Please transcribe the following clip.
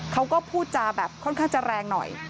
เขาก็พูดจาแบบค่อนข้างจะแรงหน่อย